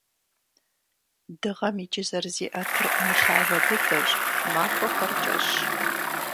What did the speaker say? Дыгъэм иджы зэрызиӏэтыр мылъагэ дыдэущ, махуэхэр кӏэщӏщ.